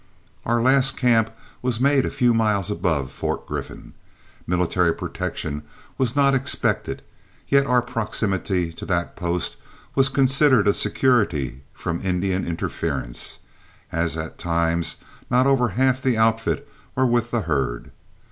Our last camp was made a few miles above Fort Griffin. Military protection was not expected, yet our proximity to that post was considered a security from Indian interference, as at times not over half the outfit were with the herd.